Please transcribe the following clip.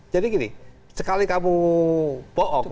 jadi gini sekali kamu bohong